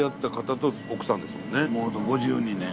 もう５２年。